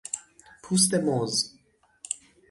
پوست موز